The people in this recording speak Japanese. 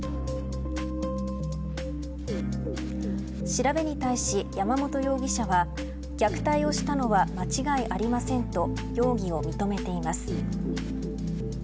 調べに対し、山本容疑者は虐待をしたのは間違いありませんと容疑を認めています。